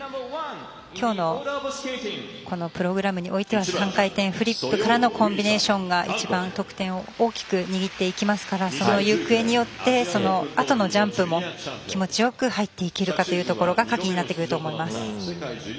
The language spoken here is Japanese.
今日のプログラムにおいては３回転フリップからのコンビネーションが一番得点を大きく握っていきますからそれの行方によってそのあとのジャンプも気持ちよく入っていけるかというところが鍵になると思います。